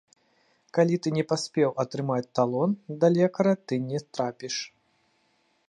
Калі ты не паспеў атрымаць талон, да лекара ты не трапіш.